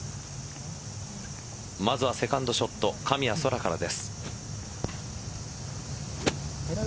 まずはセカンドショット神谷そらからです。